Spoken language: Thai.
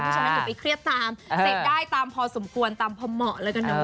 อย่าไปเครียดตามเสร็จได้ตามพอสมควรตามพอเหมาะ